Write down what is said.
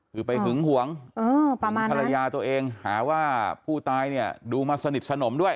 คือไปหึงหวงภรรยาตัวเองหาว่าผู้ตายเนี่ยดูมาสนิทสนมด้วย